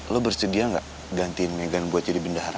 lo bersedia gak gantiin megan buat jadi bendahara